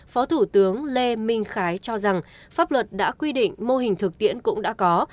phó thủ tướng lê minh khái cho rằng pháp luật đã quy định mô hình thực tiễn cũng đã có